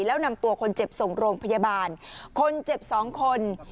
แล้วนำตัวคนเจ็บส่งโรงพยาบาลคนเจ็บสองคน